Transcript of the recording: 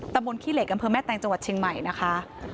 บนขี้เหล็กอำเภอแม่แตงจังหวัดเชียงใหม่นะคะ